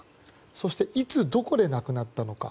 そして、いつどこで亡くなったのか。